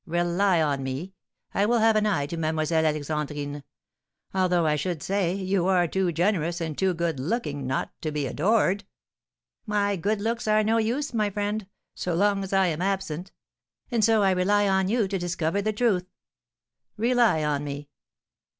Rely on me; I will have an eye to Mlle. Alexandrine, although, I should say, you are too generous and too good looking not to be adored!" "My good looks are no use, my friend, so long as I am absent; and so I rely on you to discover the truth." "Rely on me."